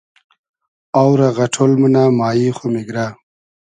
آو رۂ غئݖۉل مونۂ مایی خو میگرۂ